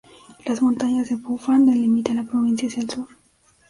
Las montañas de Phu Phan delimitan la provincia hacia el sur.